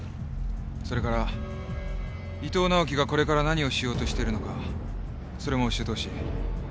それから伊藤直季がこれから何をしようとしてるのかそれも教えてほしい。